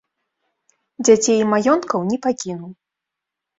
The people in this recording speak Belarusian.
Дзяцей і маёнткаў не пакінуў.